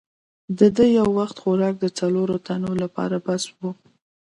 د ده یو وخت خوراک د څلورو تنو لپاره بس وو.